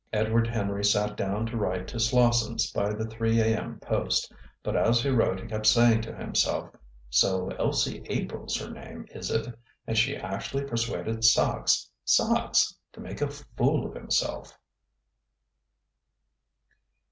Edward Henry sat down to write to Slossons by the three A.M. post. But as he wrote he kept saying to himself: "So Elsie April's her name, is it? And she actually persuaded Sachs Sachs to make a fool of himself!"